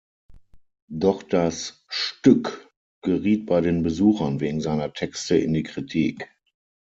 Doch das Stück geriet bei den Besuchern wegen seiner Texte in die Kritik.